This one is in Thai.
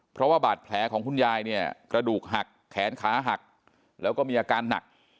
เพราะว่าบาดแผลของคุณยายเนี่ยกระดูกหักแขนขาหักแล้วก็มีอาการหนัก